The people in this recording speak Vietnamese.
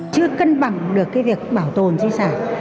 chưa cân bằng được cái việc bảo tồn di sản